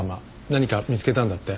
何か見つけたんだって？